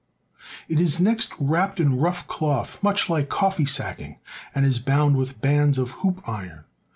It is next wrapped in rough cloth much like coffee sacking, and is bound with bands of hoop iron.